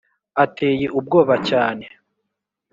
ateye ubwoba cyane